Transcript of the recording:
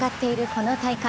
この大会。